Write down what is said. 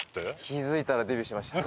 気付いたらデビューしてました。